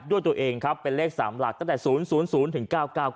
ด้วยตัวเองครับเป็นเลข๓หลักตั้งแต่๐๐ถึง๙๙๙